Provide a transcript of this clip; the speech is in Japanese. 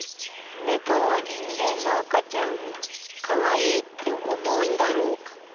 ネコは人間のあかちゃんを見てかわいいって思うんだろうか？